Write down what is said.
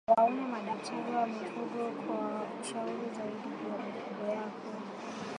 Waone madaktari wa mifugo kwa ushauri zaidi juu ya mifugo yako